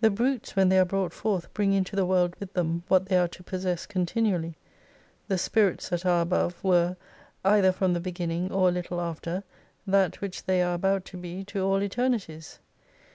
The brutes when they arc brought forth bring into the world with them what they are to possess continually. The spirits that are above were, either from the begin ning or a little after, that which they are about to be to all Eternities.